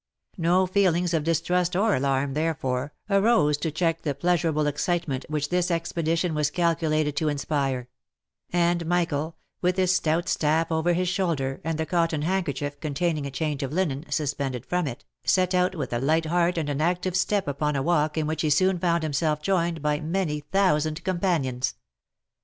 No feelings of distrust or alarm, therefore, arose to check the pleasurable excitement which this expedition was calculated to inspire ; and Michael, with his stout staff over his shoulder, and the cotton handkerchief, containing a change of linen, suspended from it, set out with a light heart and active step upon a walk in which he soon found himself joined by many thousand companions.